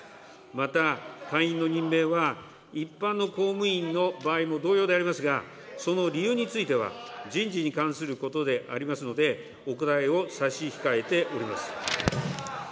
また、会員の任命は一般の公務員の場合も同様でありますが、その理由については、人事に関することでありますので、お答えを差し控えております。